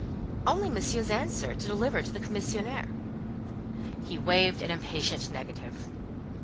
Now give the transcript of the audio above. "Only Monsieur's answer to deliver to the commissionaire." He waved an impatient negative.